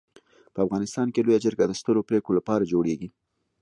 په افغانستان کي لويه جرګه د سترو پريکړو لپاره جوړيږي.